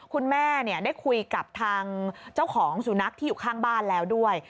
คุณแม่ได้คุยกับทางเจ้าของสุนัขที่อยู่ข้างบ้านแล้วด้วย